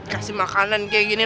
beri makanan seperti ini